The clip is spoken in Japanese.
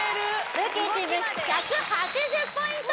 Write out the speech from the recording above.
ルーキーチーム１８０ポイント